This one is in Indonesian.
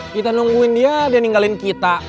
kita nungguin dia dia ninggalin kita